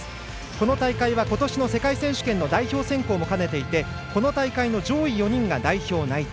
この大会は今年の世界選手権の代表選考も兼ねていてこの大会の上位４人が代表内定。